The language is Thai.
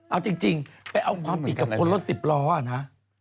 เอาจริงไปเอาความผิดกับคนรถสิบล้อนะ